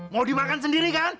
mau dimakan sendiri kan